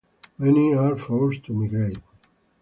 Many are forced to migrate.